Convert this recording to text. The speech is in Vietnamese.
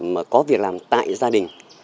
mà có việc làm tại gia đình